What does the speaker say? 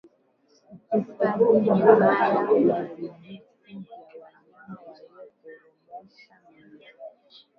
Utupaji mbaya wa vijusi vya wanyama walioporomosha mimba